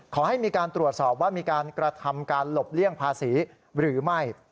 ขอให้มีการตรวจสอบว่ามีการกระทำการหลบเลี่ยงภาษีหรือไม่